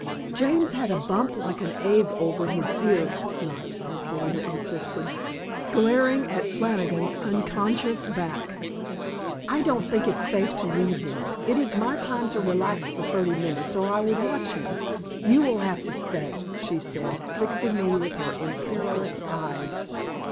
"James had a bump like an egg over his ear last night," Aunt Selina insisted, glaring at Flannigan's unconscious back. "I don't think it's safe to leave him. It is my time to relax for thirty minutes, or I would watch him. You will have to stay," she said, fixing me with her imperious eyes.